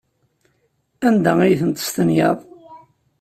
Anda ay tent-testenyaḍ?